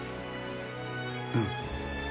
うん。